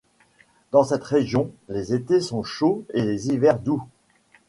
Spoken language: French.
Dans cette région, les étés sont chauds et les hivers doux.